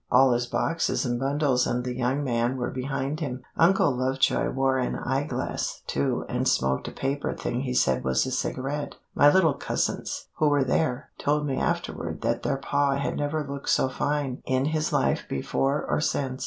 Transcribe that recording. All his boxes and bundles and the young man were behind him. Uncle Lovejoy wore an eyeglass, too, and smoked a paper thing he said was a cigarette. My little cousins, who were there, told me afterward that their pa had never looked so fine in his life before or since.